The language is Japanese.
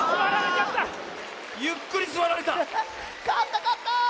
かったかった！